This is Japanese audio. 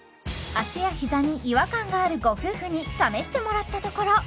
脚や膝に違和感があるご夫婦に試してもらったところ